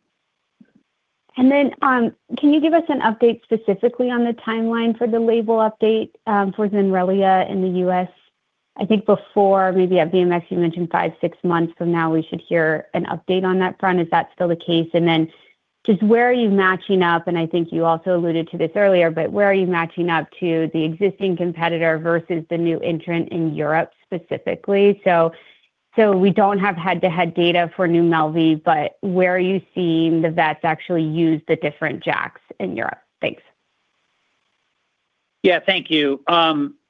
Can you give us an update specifically on the timeline for the label update for Zenrelia in the U.S.? I think before, maybe at VMX, you mentioned five, six months from now, we should hear an update on that front. Is that still the case? Where are you matching up, and I think you also alluded to this earlier, but where are you matching up to the existing competitor versus the new entrant in Europe, specifically? We don't have head-to-head data for new MelvI, but where are you seeing the vets actually use the different JAKs in Europe? Thanks. Yeah, thank you.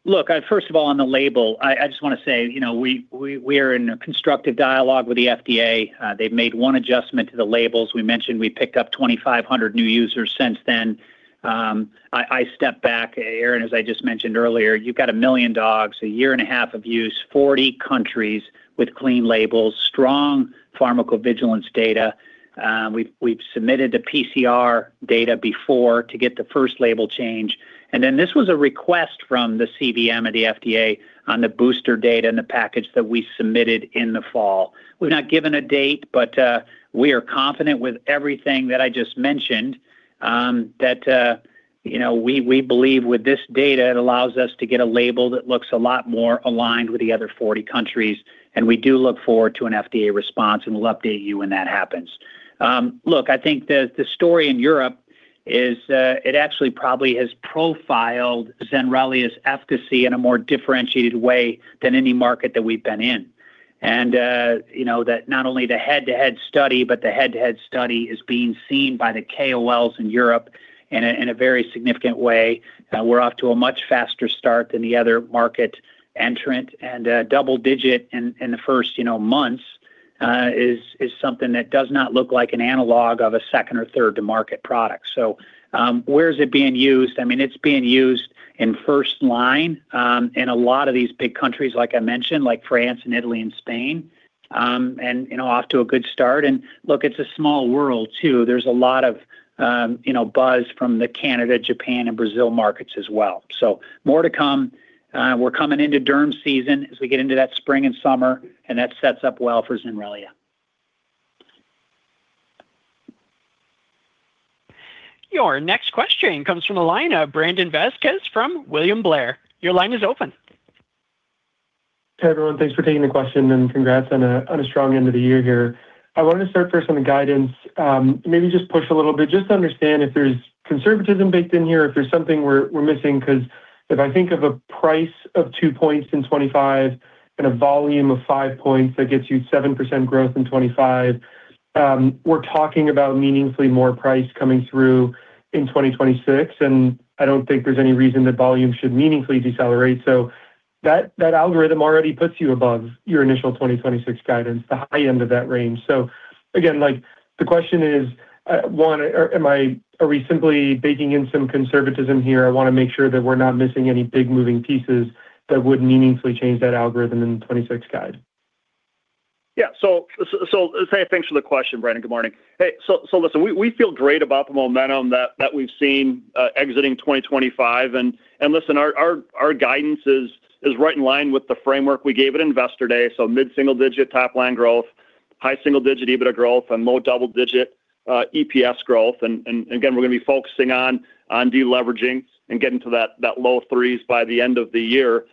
Look, first of all, on the label, I just wanna say, you know, we are in a constructive dialogue with the FDA. They've made one adjustment to the labels. We mentioned we picked up 2,500 new users since then. I stepped back, Erin, as I just mentioned earlier, you've got 1 million dogs, a year and a half of use, 40 countries with clean labels, strong pharmacovigilance data. We've submitted the PCR data before to get the first label change. This was a request from the CVM and the FDA on the booster data and the package that we submitted in the fall. We've not given a date, but we are confident with everything that I just mentioned, that, you know, we believe with this data, it allows us to get a label that looks a lot more aligned with the other 40 countries, and we do look forward to an FDA response, and we'll update you when that happens. Look, I think the story in Europe is actually probably has profiled Zenrelia's efficacy in a more differentiated way than any market that we've been in. You know, that not only the head-to-head study, but the head-to-head study is being seen by the KOLs in Europe in a very significant way. We're off to a much faster start than the other market entrant, double-digit in the first, you know, months, is something that does not look like an analog of a second- or third-to-market product. Where is it being used? I mean, it's being used in first line in a lot of these big countries, like I mentioned, like France and Italy and Spain, you know, off to a good start. Look, it's a small world, too. There's a lot of, you know, buzz from the Canada, Japan, and Brazil markets as well. More to come. We're coming into derm season as we get into that spring and summer, that sets up well for Zenrelia. Your next question comes from the line of Brandon Vazquez from William Blair. Your line is open. Hi, everyone. Thanks for taking the question. Congrats on a strong end of the year here. I wanted to start first on the guidance. Maybe just push a little bit just to understand if there's conservatism baked in here, if there's something we're missing, 'cause if I think of a price of two points in 2025 and a volume of five points, that gets you 7% growth in 2025. We're talking about meaningfully more price coming through in 2026, and I don't think there's any reason that volume should meaningfully decelerate. That, that algorithm already puts you above your initial 2026 guidance, the high end of that range. Again, like, the question is, one, are we simply baking in some conservatism here? I wanna make sure that we're not missing any big moving pieces that would meaningfully change that algorithm in the 2026 guide. Yeah. hey, thanks for the question, Brandon. Good morning. Hey, listen, we feel great about the momentum that we've seen exiting 2025. listen, our guidance is right in line with the framework we gave at Investor Day. mid-single-digit top-line growth, high single-digit EBITDA growth, and low double-digit EPS growth. again, we're going to be focusing on deleveraging and getting to that low 3s by the end of the year.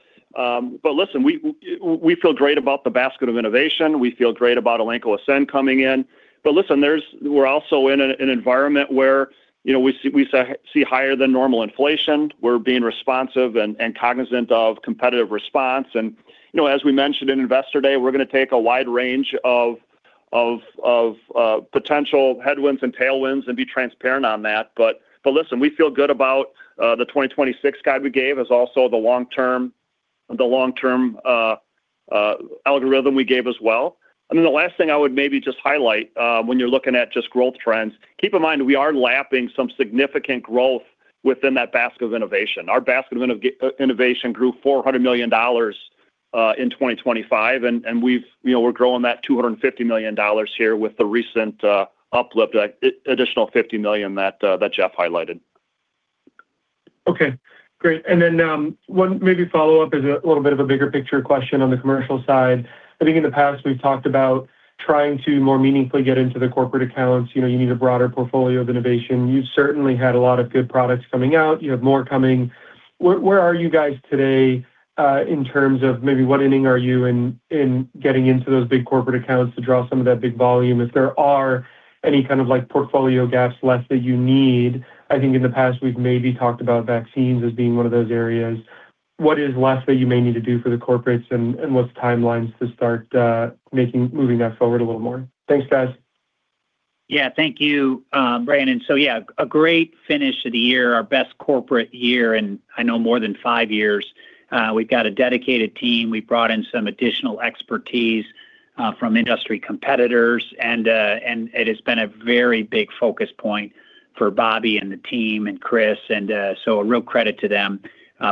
listen, we feel great about the basket of innovation. We feel great about Elanco Ascend coming in. listen, there's we're also in an environment where, you know, we see higher than normal inflation. We're being responsive and cognizant of competitive response. You know, as we mentioned in Investor Day, we're gonna take a wide range of potential headwinds and tailwinds and be transparent on that. Listen, we feel good about the 2026 guide we gave, as also the long term algorithm we gave as well. Then the last thing I would maybe just highlight when you're looking at just growth trends, keep in mind, we are lapping some significant growth within that basket of innovation. Our basket of innovation grew $400 million in 2025, and You know, we're growing that $250 million here with the recent uplift, additional $50 million that Jeff highlighted. Okay, great. Then, one maybe follow-up is a little bit of a bigger picture question on the commercial side. I think in the past, we've talked about trying to more meaningfully get into the corporate accounts. You know, you need a broader portfolio of innovation. You've certainly had a lot of good products coming out. You have more coming. Where are you guys today, in terms of maybe what inning are you in getting into those big corporate accounts to draw some of that big volume? If there are any kind of, like, portfolio gaps left that you need, I think in the past, we've maybe talked about vaccines as being one of those areas. What is left that you may need to do for the corporates, and what's the timelines to start moving that forward a little more? Thanks, guys. Yeah. Thank you, Brandon. Yeah, a great finish to the year, our best corporate year in I know more than five years. We've got a dedicated team. We brought in some additional expertise from industry competitors, and it has been a very big focus point for Bobby and the team and Chris, and so a real credit to them.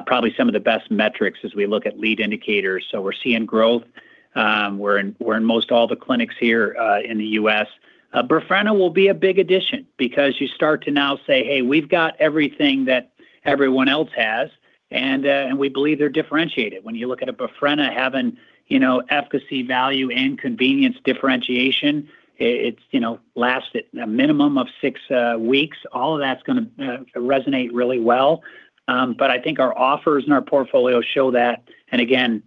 Probably some of the best metrics as we look at lead indicators, so we're seeing growth. We're in most all the clinics here in the U.S. Befrena will be a big addition because you start to now say, "Hey, we've got everything that everyone else has, and we believe they're differentiated." When you look at a Befrena having, you know, efficacy, value, and convenience differentiation, it's, you know, lasts a minimum of six weeks. All of that's gonna resonate really well. I think our offers and our portfolio show that, and again,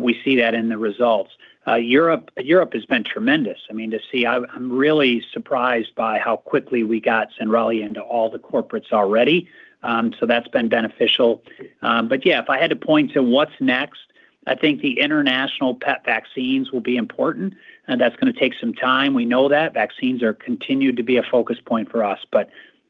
we see that in the results. Europe has been tremendous. I mean, I'm really surprised by how quickly we got Zenrelia into all the corporates already. That's been beneficial. Yeah, if I had to point to what's next, I think the international pet vaccines will be important, and that's gonna take some time. We know that. Vaccines are continued to be a focus point for us.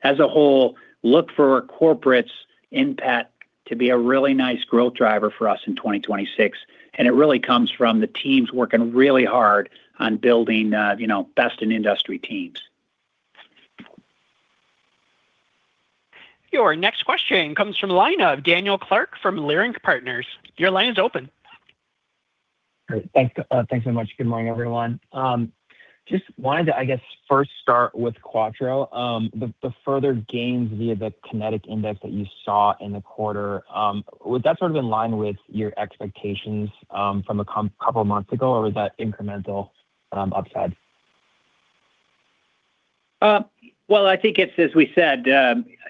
As a whole, look for corporates in pet to be a really nice growth driver for us in 2026, and it really comes from the teams working really hard on building, you know, best-in-industry teams. Your next question comes from the line of Daniel Clark from Leerink Partners. Your line is open. Great. Thanks so much. Good morning, everyone. Just wanted to, I guess, first start with Quattro. The further gains via the Kynetec index that you saw in the quarter, was that sort of in line with your expectations from a couple of months ago, or was that incremental upside? Well, I think it's, as we said,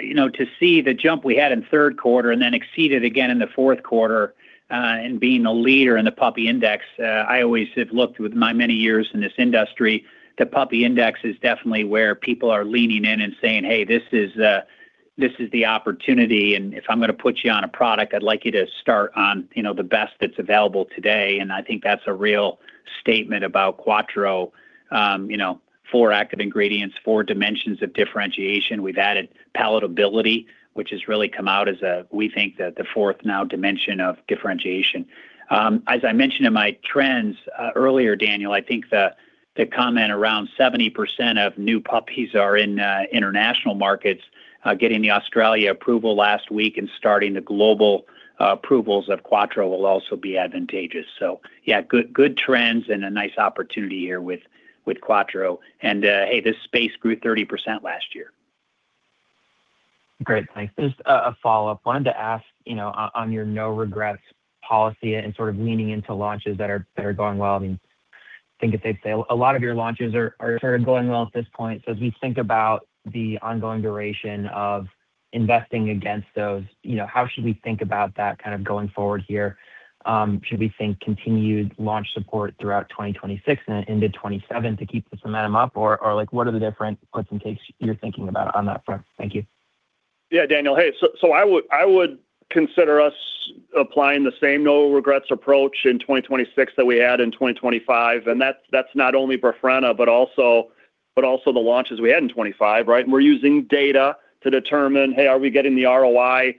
you know, to see the jump we had in the third quarter and then exceed it again in the fourth quarter, and being a leader in the Puppy Index, I always have looked with my many years in this industry, the Puppy Index is definitely where people are leaning in and saying, "Hey, this is the opportunity, and if I'm gonna put you on a product, I'd like you to start on, you know, the best that's available today." I think that's a real statement about Quattro, you know, four active ingredients, four dimensions of differentiation. We've added palatability, which has really come out as, we think, the fourth now dimension of differentiation. As I mentioned in my trends earlier, Daniel, I think the comment around 70% of new puppies are in international markets, getting the Australia approval last week and starting the global approvals of Quattro will also be advantageous. Yeah, good trends and a nice opportunity here with Quattro. Hey, this space grew 30% last year. Great, thanks. Just a follow-up. Wanted to ask, you know, on your no-regrets policy and sort of leaning into launches that are going well, I mean, I think as they say, a lot of your launches are sort of going well at this point. As we think about the ongoing duration of investing against those, you know, how should we think about that kind of going forward here? Should we think continued launch support throughout 2026 and into 2027 to keep this momentum up? Or, like, what are the different what's in case you're thinking about on that front? Thank you. Yeah, Daniel. Hey, so I would consider us applying the same no-regrets approach in 2026 that we had in 2025, and that's not only Befrena, but also the launches we had in 2025, right? We're using data to determine, hey, are we getting the ROI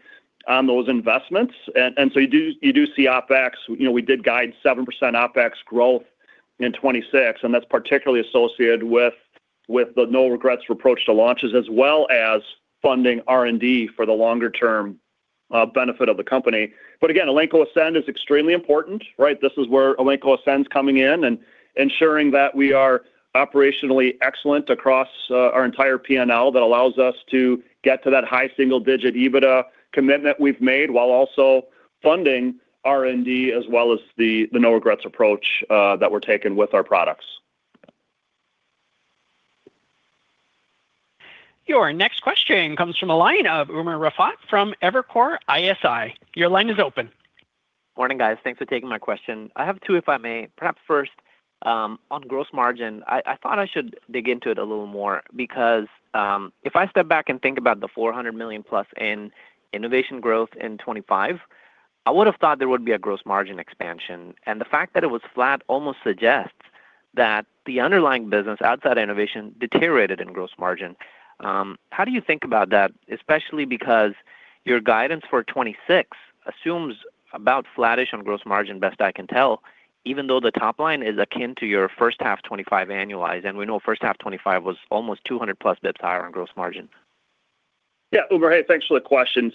on those investments? You do see OpEx. You know, we did guide 7% OpEx growth in 2026, and that's particularly associated with the no-regrets approach to launches, as well as funding R&D for the longer term benefit of the company. Elanco Ascend is extremely important, right? This is where Elanco Ascend's coming in and ensuring that we are operationally excellent across our entire P&L. That allows us to get to that high single-digit EBITDA commitment we've made, while also funding R&D, as well as the no-regrets approach, that we're taking with our products. Your next question comes from the line of Umer Raffat from Evercore ISI. Your line is open. Morning, guys. Thanks for taking my question. I have two, if I may. Perhaps first, on gross margin, I thought I should dig into it a little more because, if I step back and think about the $400 million+ in innovation growth in 2025, I would have thought there would be a gross margin expansion. The fact that it was flat almost suggests that the underlying business outside innovation deteriorated in gross margin. How do you think about that? Especially because your guidance for 2026 assumes about flattish on gross margin, best I can tell, even though the top line is akin to your first half 2025 annualized, and we know first half 2025 was almost 200+ bps higher on gross margin. Umer, hey, thanks for the question.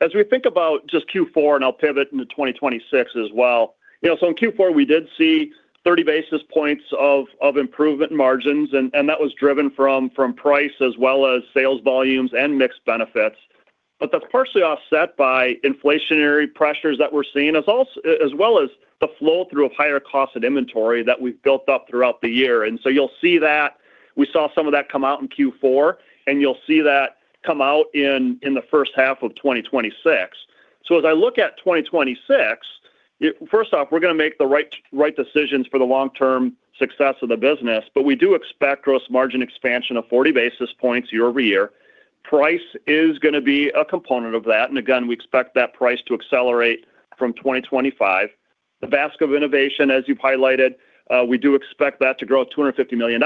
As we think about just Q4, and I'll pivot into 2026 as well, in Q4, we did see 30 basis points of improvement in margins, and that was driven from price as well as sales volumes and mixed benefits. That's partially offset by inflationary pressures that we're seeing, as well as the flow-through of higher costs and inventory that we've built up throughout the year. You'll see that we saw some of that come out in Q4, and you'll see that come out in the first half of 2026. As I look at 2026, first off, we're gonna make the right decisions for the long-term success of the business, but we do expect gross margin expansion of 40 basis points year-over-year. Price is gonna be a component of that. Again, we expect that price to accelerate from 2025. The basket of innovation, as you've highlighted, we do expect that to grow to $250 million.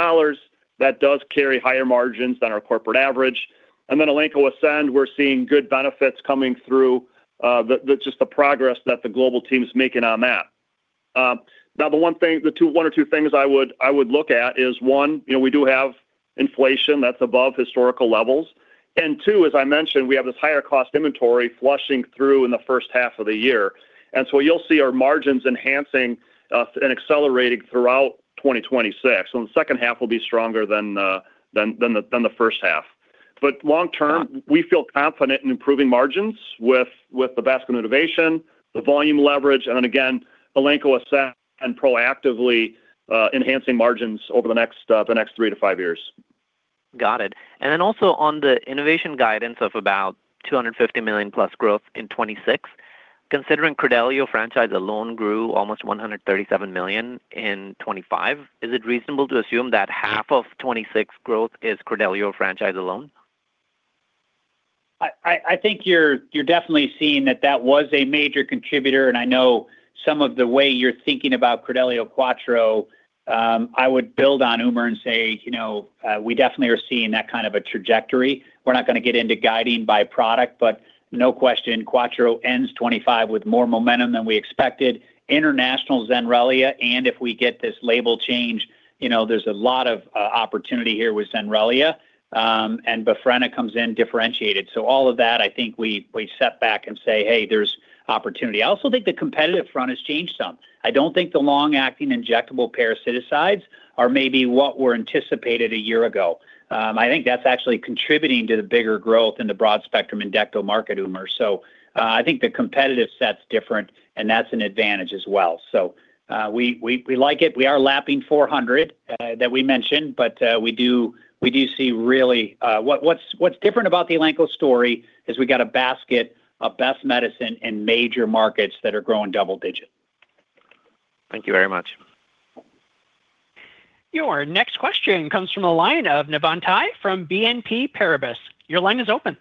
That does carry higher margins than our corporate average. Then Elanco Ascend, we're seeing good benefits coming through just the progress that the global team is making on that. Now, one or two things I would look at is, one, you know, we do have inflation that's above historical levels, and two, as I mentioned, we have this higher cost inventory flushing through in the first half of the year. You'll see our margins enhancing and accelerating throughout 2026. The second half will be stronger than the first half. Long term, we feel confident in improving margins with the basket of innovation, the volume leverage, and then again, Elanco Ascend and proactively enhancing margins over the next three to five years. Got it. Also on the innovation guidance of about $250 million plus growth in 2026, considering Credelio franchise alone grew almost $137 million in 2025, is it reasonable to assume that half of 2026 growth is Credelio franchise alone? I think you're definitely seeing that that was a major contributor. I know some of the way you're thinking about Credelio Quattro, I would build on Umer and say, you know, we definitely are seeing that kind of a trajectory. We're not gonna get into guiding by product, but no question, Quattro ends 2025 with more momentum than we expected. International Zenrelia. If we get this label change, you know, there's a lot of opportunity here with Zenrelia, and Befrena comes in differentiated. All of that, I think we step back and say, "Hey, there's opportunity." I also think the competitive front has changed some. I don't think the long-acting injectable parasiticides are maybe what were anticipated a year ago. I think that's actually contributing to the bigger growth in the broad-spectrum endecto market, Umer. I think the competitive set's different, and that's an advantage as well. We like it. We are lapping 400 that we mentioned, we do see really. What's different about the Elanco story is we got a basket of best medicine in major markets that are growing double digit. Thank you very much. Your next question comes from the line of Navann Ty from BNP Paribas. Your line is open.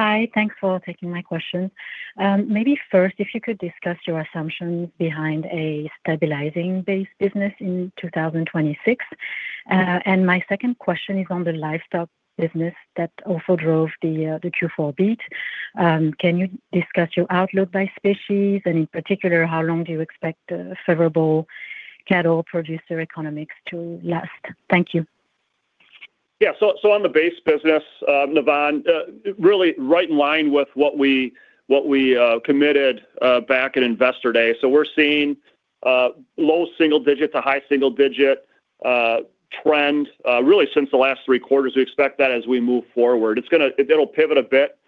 Hi, thanks for taking my question. Maybe first, if you could discuss your assumptions behind a stabilizing base business in 2026? My second question is on the livestock business that also drove the Q4 beat. Can you discuss your outlook by species, and in particular, how long do you expect a favorable cattle producer economics to last? Thank you. Yeah. On the base business, Navann, really right in line with what we committed back at Investor Day. We're seeing low single digit to high single digit trend really since the last three quarters. We expect that as we move forward. It'll pivot a bit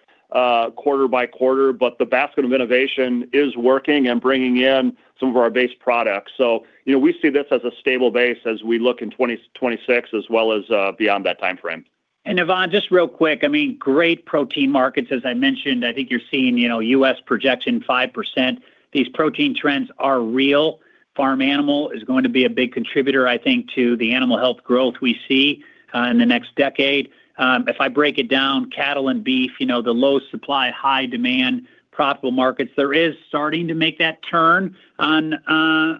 quarter by quarter, but the basket of innovation is working and bringing in some of our base products. You know, we see this as a stable base as we look in 2026, as well as beyond that timeframe. Navann, just real quick, I mean, great protein markets, as I mentioned. I think you're seeing, you know, U.S. projection 5%. These protein trends are real. Farm animal is going to be a big contributor, I think, to the animal health growth we see in the next decade. If I break it down, cattle and beef, you know, the low supply, high demand, profitable markets, there is starting to make that turn on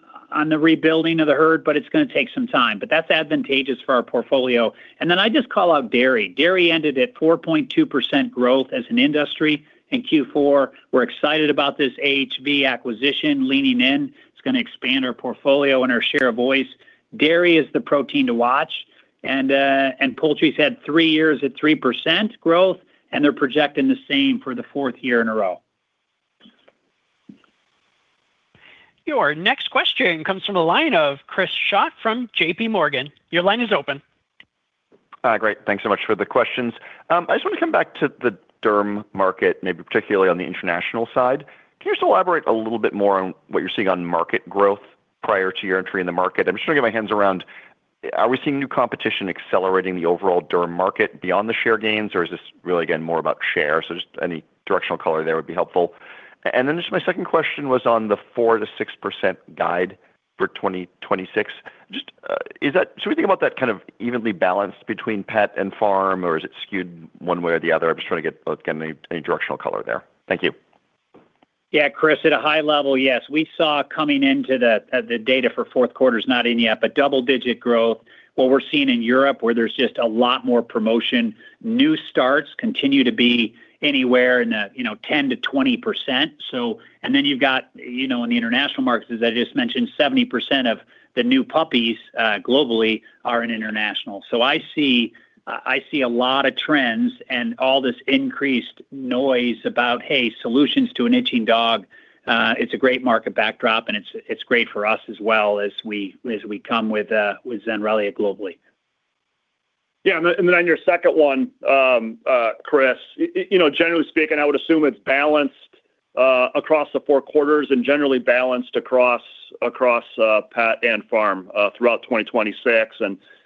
the rebuilding of the herd, but it's gonna take some time. That's advantageous for our portfolio. Then, I just call out dairy. Dairy ended at 4.2% growth as an industry in Q4. We're excited about this AHV acquisition leaning in. It's gonna expand our portfolio and our share of voice. Dairy is the protein to watch, poultry's had three years at 3% growth, they're projecting the same for the fourth year in a row. Your next question comes from the line of Chris Schott from JPMorgan. Your line is open. Great. Thanks so much for the questions. I just want to come back to the derm market, maybe particularly on the international side. Can you just elaborate a little bit more on what you're seeing on market growth prior to your entry in the market? I'm just trying to get my hands around, are we seeing new competition accelerating the overall derm market beyond the share gains, or is this really, again, more about share? Just any directional color there would be helpful. Just my second question was on the 4%-6% guide for 2026. Just, should we think about that kind of evenly balanced between pet and farm, or is it skewed one way or the other? I'm just trying to get any directional color there. Thank you. Yeah, Chris, at a high level, yes. We saw coming into the data for fourth quarter is not in yet, but double-digit growth. What we're seeing in Europe, where there's just a lot more promotion, new starts continue to be anywhere in the, you know, 10%-20%. You've got, you know, in the international markets, as I just mentioned, 70% of the new puppies globally are in international. I see a lot of trends and all this increased noise about, hey, solutions to an itching dog, it's a great market backdrop, and it's great for us as well as we come with Zenrelia globally. Yeah, then on your second one, Chris, you know, generally speaking, I would assume it's balanced across the four quarters and generally balanced across pet and farm, throughout 2026.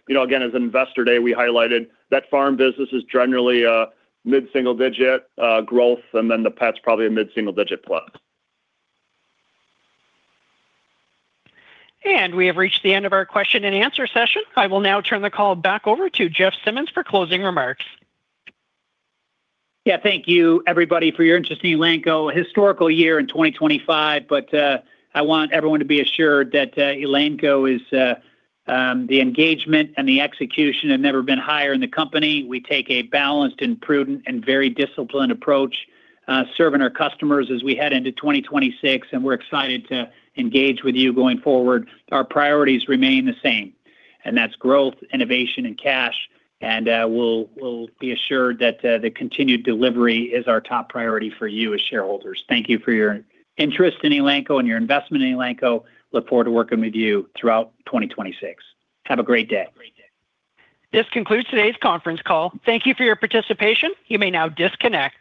You know, again, as Investor Day, we highlighted that farm business is generally a mid-single digit growth, and then the pet's probably a mid-single digit plus. We have reached the end of our question and answer session. I will now turn the call back over to Jeff Simmons for closing remarks. Yeah, thank you, everybody, for your interest in Elanco. Historical year in 2025, I want everyone to be assured that Elanco is the engagement and the execution have never been higher in the company. We take a balanced and prudent and very disciplined approach, serving our customers as we head into 2026, and we're excited to engage with you going forward. Our priorities remain the same, and that's growth, innovation, and cash. We'll be assured that the continued delivery is our top priority for you as shareholders. Thank you for your interest in Elanco and your investment in Elanco. Look forward to working with you throughout 2026. Have a great day. This concludes today's conference call. Thank you for your participation. You may now disconnect.